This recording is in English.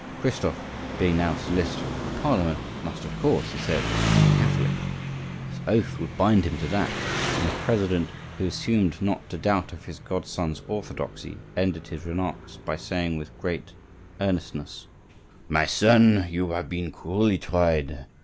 Christophe, being now a solicitor of the Parliament, must of course, he said, be Catholic; his oath would bind him to that; and the president, who assumed not to doubt of his godson's orthodoxy, ended his remarks by saying with great earnestness: "My son, you have been cruelly tried.